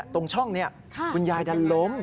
ตรงช่องนี้คุณยายดันล้ม